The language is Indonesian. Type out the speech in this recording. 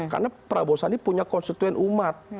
karena pak prabowo sandi punya konstituen umat